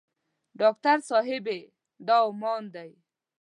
ډاکټر صاحبې دا عمان دی.